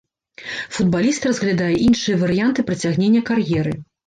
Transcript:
Футбаліст разглядае іншыя варыянты працягнення кар'еры.